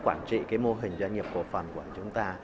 có sự trị mô hình doanh nghiệp cổ phân của chúng ta